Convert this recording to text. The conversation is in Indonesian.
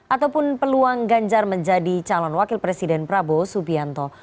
ataupun peluang ganjar menjadi calon wakil presiden prabowo subianto